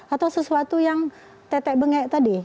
atau sesuatu yang tetek bengek tadi